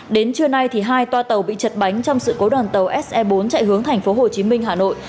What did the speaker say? đến trưa nay hai toa tàu bị chật bánh trong sự cố đoàn tàu se bốn chạy hướng tp hcm hà nội